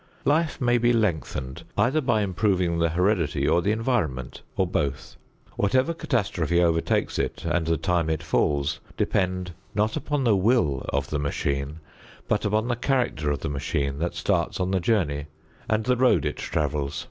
Life may be lengthened either by improving the heredity or the environment or both. Whatever catastrophe overtakes it and the time it falls depend not upon the will of the machine, but upon the character of the machine that starts on the journey and the road it travels.